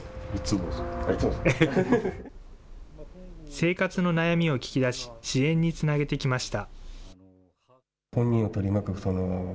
生活の悩みを聞き出し、支援につなげてきました。